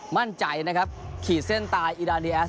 มั่นใจครับขีดเส้นไตอีราเนส